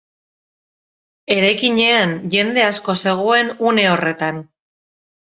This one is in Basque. Eraikinean jende asko zegoen une horretan.